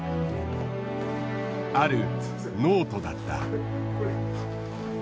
あるノートだった。